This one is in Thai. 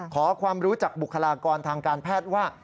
ขอความรู้จากบุคลากรทางการแพทย์ว่า